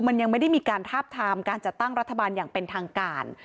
มันยังไม่ได้มีการทาบทามการจัดตั้งรัฐบาลอย่างเป็นทางการ